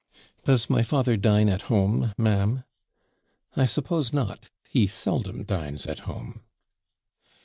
'Does my father dine at home, ma'am?' 'I suppose not; he seldom dines at home.'